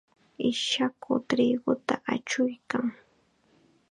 Ishaku triquta achuykan.